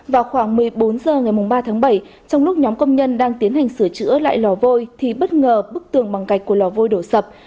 vào khoảng một mươi bốn h ngày ba tháng bảy trong lúc nhóm công nhân đang tiến hành sửa chữa lại lò vôi thì bất ngờ bức tường bằng gạch của lò vôi đổ sập